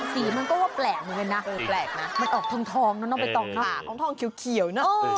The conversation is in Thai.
ซีมันก็ว่าแปลกมันออกทางทองนะทางทองเขียวนะ